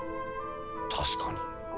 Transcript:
確かに。